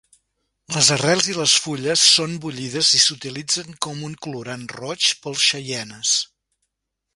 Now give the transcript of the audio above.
Les arrels i les fulles són bullides i s'utilitzen com un colorant roig pels xeienes.